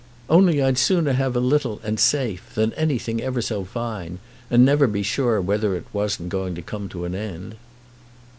Only I'd sooner have a little and safe, than anything ever so fine, and never be sure whether it wasn't going to come to an end."